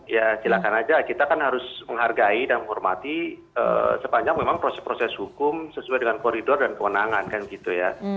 ya silakan aja kita kan harus menghargai dan menghormati sepanjang memang proses proses hukum sesuai dengan koridor dan kewenangan kan gitu ya